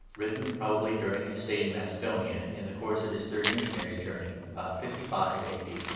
WRITTEN PROBABLY DURING HIS STAY IN MACEDONIA, IN THE COURSE OF HIS THIRD MISSIONARY JOURNEY, ABOUT 55 A.